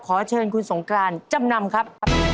ขอเชิญคุณสงกรานจำนำครับ